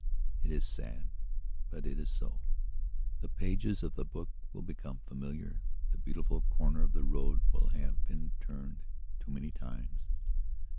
It is sad, but it is so. The pages of the book will become familiar; the beautiful corner of the road will have been turned too many times.